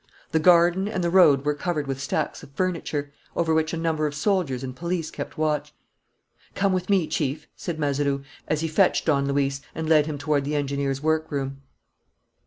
The garden and the road were covered with stacks of furniture, over which a number of soldiers and police kept watch. "Come with me, Chief," said Mazeroux, as he fetched Don Luis and led him toward the engineer's workroom.